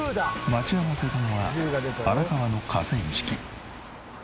待ち合わせたのは荒川の河川敷。